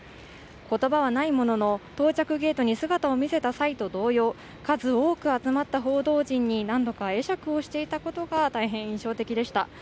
言葉はないものの到着ゲートに姿を見せた際と同様数多く集まった報道陣に何度か会釈をしていたことが大変印象的でした。